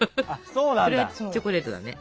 それはチョコレートだね。